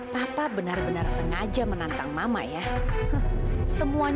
bapak benar benar sengaja menantang mbak bu